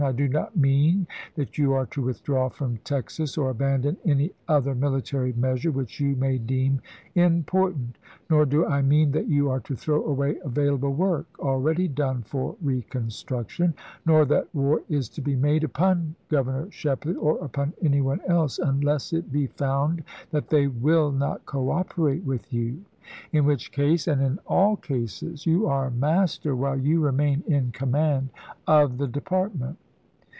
I do not mean that you are to withdraw from Texas, or abandon any other military measure which you may deem important. Nor do I mean that you are to throw away available work already done for reconstruction; nor that war is to be made upon Gov ernor Shepley, or upon any one else, unless it be found that they will not cooperate with you, in which case, and in all cases, you are master whUe you remain in command of the Department.